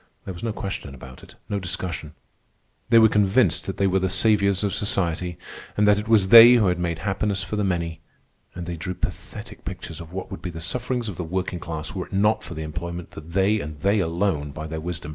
There was no question about it, no discussion. They were convinced that they were the saviours of society, and that it was they who made happiness for the many. And they drew pathetic pictures of what would be the sufferings of the working class were it not for the employment that they, and they alone, by their wisdom, provided for it.